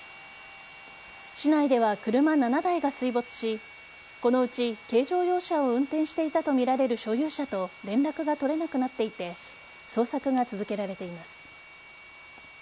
市内では車７台が水没しこのうち軽乗用車を運転していたとみられる所有者と連絡が取れなくなっていて捜索が続けられています。